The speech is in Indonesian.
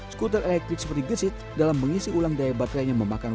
skuter elektrik seperti gesit dalam mengisi ulang daya baterainya memakan